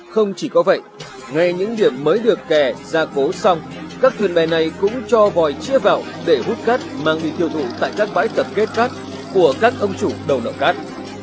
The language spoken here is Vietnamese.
không chỉ có vậy ngay những điểm mới được kè gia cố xong các thuyền bè này cũng cho vòi chia vào để hút cát mang đi tiêu thụ tại các bãi tập kết cát của các ông chủ đầu nở cát